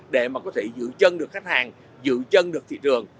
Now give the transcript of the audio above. để mà có thể giữ chân được khách hàng giữ chân được thị trường